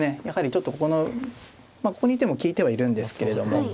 やはりちょっとここのまあここにいても利いてはいるんですけれども